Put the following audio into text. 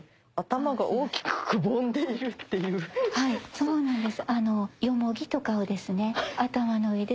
そうなんです。